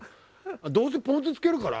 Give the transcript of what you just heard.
どうせポン酢つけるから。